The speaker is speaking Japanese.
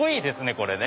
これね。